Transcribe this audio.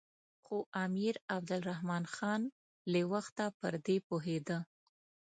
خو امیر عبدالرحمن خان له وخته پر دې پوهېده.